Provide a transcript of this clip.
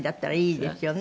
いいですよね。